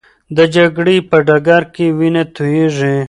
د جګړې په ډګر کې وینه تویېږي.